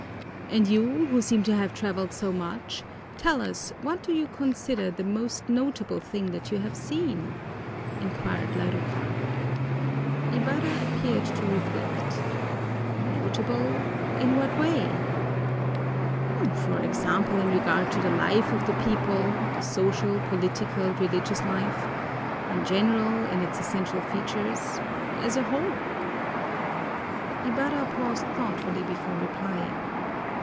"And you who seem to have traveled so much, tell us what do you consider the most notable thing that you have seen?" inquired Laruja. Ibarra appeared to reflect. "Notable in what way?" "For example, in regard to the life of the people the social, political, religious life in general, in its essential features as a whole." Ibarra paused thoughtfully before replying.